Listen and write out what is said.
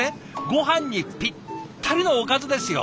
ごはんにぴったりのおかずですよ。